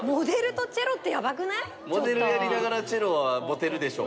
モデルやりながらチェロはモテるでしょ。